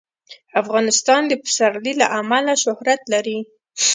افغانستان د پسرلی له امله شهرت لري.